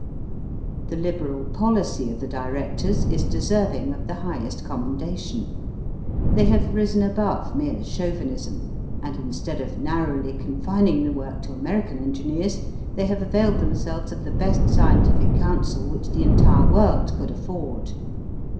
The liberal policy of the directors is deserving of the highest commendation. They have risen above mere "chauvinism," and instead of narrowly confining the work to American engineers, they have availed themselves of the best scientific counsel which the entire world could afford.